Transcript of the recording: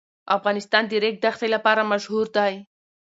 افغانستان د د ریګ دښتې لپاره مشهور دی.